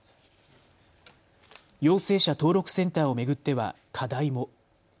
陽性者登録センターを巡っては課題も。